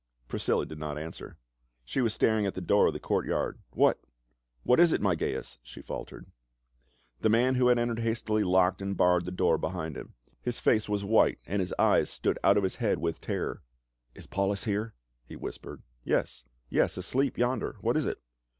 Priscilla did not answer ; she was staring at the door of the courtyard. "What — what is it, my Gains?" she faltered. The man who had entered hastily locked and barred the door behind him. His face was white and his eyes stood out of his head with terror. " Is Paulus here?" he whispered. " Yes — yes, asleep yonder, what is it